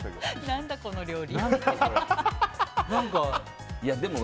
何だ、この料理。